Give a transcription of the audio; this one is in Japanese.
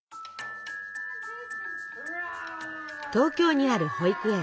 東京にある保育園。